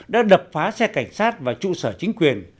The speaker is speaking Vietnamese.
đã đập phá xe cảnh sát và trụ sở chính quyền